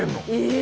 え⁉